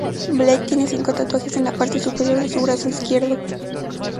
Blake tiene cinco tatuajes en la parte superior de su brazo izquierdo.